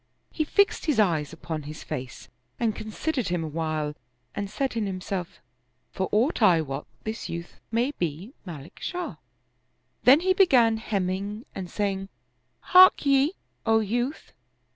He fixed his eyes upon his face and con sidered him a while and said in himself, " For aught I wot, this youth may be Malik Shah "; then he began hemming and saying, " Hark ye, O youth